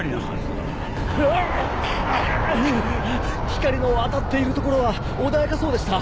光の当たっている所は穏やかそうでした。